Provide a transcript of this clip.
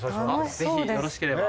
ぜひよろしければ。